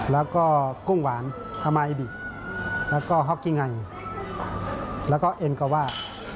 แล้วก็กุ้งหวานฮามาอิบิแล้วก็ฮอกกี้ไงแล้วก็เอ็นกาว่า